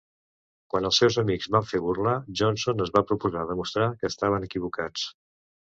Quan els seus amics van fer burla, Johnson es va proposar demostrar que estaven equivocats.